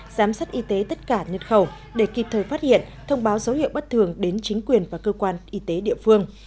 giám sát y tế tất cả nhân khẩu để kịp thời phát hiện thông báo dấu hiệu bất thường đến chính quyền và cơ quan y tế địa phương